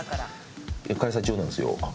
開催中なんですよ。